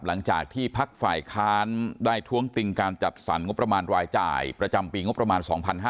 หลังจากที่พักฝ่ายค้านได้ท้วงติงการจัดสรรงบประมาณรายจ่ายประจำปีงบประมาณ๒๕๕๙